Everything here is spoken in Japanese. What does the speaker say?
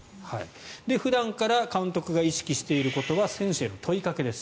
普段から監督が意識していることは選手への問いかけです。